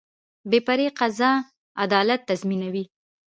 بې پرې قضا عدالت تضمینوي